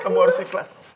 kamu harus ikhlas